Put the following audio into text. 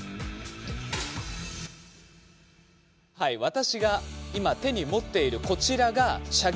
私が今、手に持っているこちらが射撃の的。